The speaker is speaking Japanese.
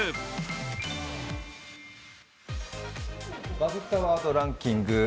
「バズったワードランキング」。